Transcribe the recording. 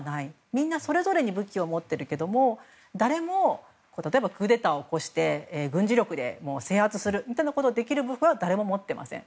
みんな、それぞれに武器を持っているけど誰も例えばクーデターを起こして軍事力で制圧できるとは誰も思っていません。